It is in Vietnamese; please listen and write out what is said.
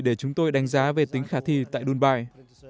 để chúng tôi đánh giá về tính khả thi tại dubai